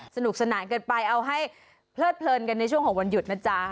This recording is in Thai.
สนุกสนานกันไปเอาให้เพลิดเพลินกันในช่วงของวันหยุดนะจ๊ะ